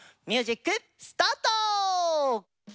ミュージックスタート！